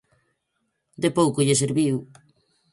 De pouco lle serviu.